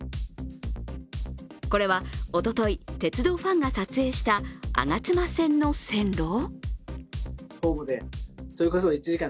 これは、おととい鉄道ファンが撮影した吾妻線の線路？